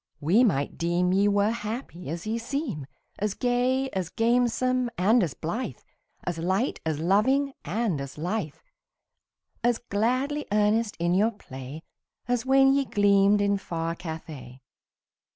we might deem Ye were happy as ye seem As gay, as gamesome, and as blithe, As light, as loving, and as lithe, As gladly earnest in your play, As when ye gleamed in far Cathay.